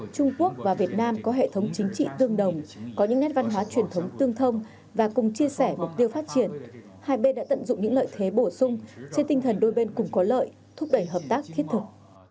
trung quốc và việt nam có hệ thống chính trị tương đồng có những nét văn hóa truyền thống tương thông và cùng chia sẻ mục tiêu phát triển hai bên đã tận dụng những lợi thế bổ sung trên tinh thần đôi bên cùng có lợi thúc đẩy hợp tác thiết thực